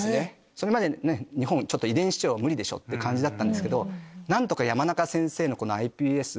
それまで日本遺伝子治療無理でしょって感じだったけど何とか山中先生のｉＰＳ